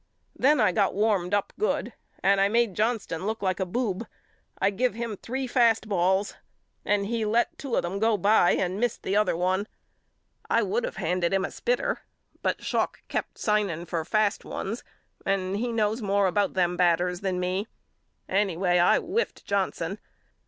Then I got warmed up good and I made Johnston look like a boob. I give him three fast balls and he let two of them go by and missed the other one. I would of handed him a spitter but Schalk kept signing for fast ones and he knows more about them batters than me. Anyway I whiffed John ston.